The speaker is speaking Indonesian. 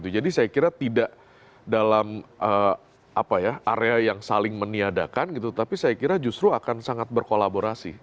jadi saya kira tidak dalam area yang saling meniadakan tapi saya kira justru akan sangat berkolaborasi